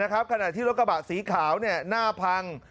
ขณะที่รถกระบะสีขาวหน้าพัง